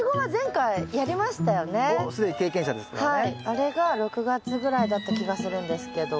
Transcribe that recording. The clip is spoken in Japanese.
あれが６月ぐらいだった気がするんですけど。